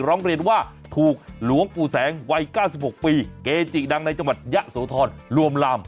ร้องเรียนว่าถูกหลวงปู่แสงวัย๙๖ปีเกจิดังในจังหวัดยะโสธรลวมลาม